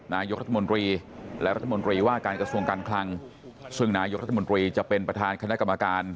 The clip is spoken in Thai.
นายกรัฐมนตรีและรัฐมนตรีว่าการกระทรวงการคลังซึ่งนายกรัฐมนตรีจะเป็นประธานคณะกรรมการ